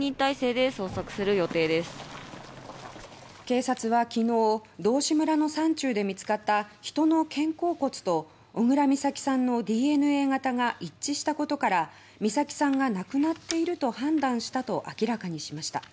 警察は昨日道志村の山中で見つかった人の肩甲骨と小倉美咲さんのＤＮＡ型が一致したことから美咲さんが亡くなっていると判断したと明らかにしました。